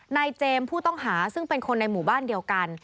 นายเจมส์ผู้ต้องหาซึ่งเป็นคนในหมู่บ้านเดียวกัน